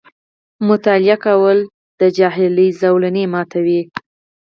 • مطالعه کول، د ناپوهۍ زولنې ماتوي.